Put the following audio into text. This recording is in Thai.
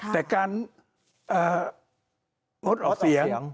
แต่การงดออกเสียง